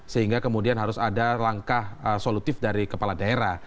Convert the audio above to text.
sehingga kemudian harus ada langkah solutif dari kepala daerah